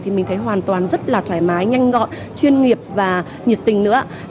thì mình thấy hoàn toàn rất là thoải mái nhanh gọn chuyên nghiệp và nhiệt tình nữa